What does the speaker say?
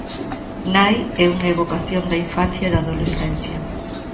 Nai é unha evocación da infancia e da adolescencia.